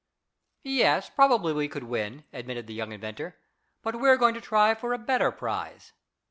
"Yes, probably we could win," admitted the young inventor, "but we are going to try for a better prize."